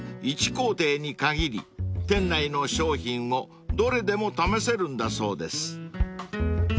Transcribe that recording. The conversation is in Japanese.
１工程に限り店内の商品をどれでも試せるんだそうです］